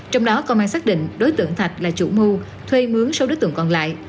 trong đó công an xác định đối tượng thạch là chủ mưu thuê mướn số đối tượng còn lại